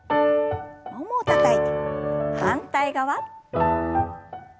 ももをたたいて反対側。